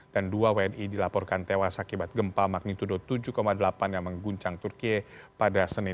dan dua wni dilaporkan tewas akibat gempa magnitudo tujuh delapan yang mengguncang turki pada senin